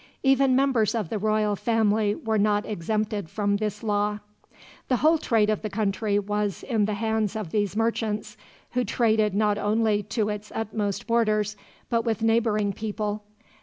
Even members of the royal family were not exempted from this law. The whole trade of the country was in the hands of these merchants, who traded not only to its utmost borders, but with neighboring people.